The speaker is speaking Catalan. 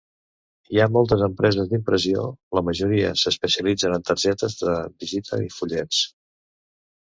Hi ha moltes empreses d'impressió, la majoria s'especialitzen en targetes de visita i fullets.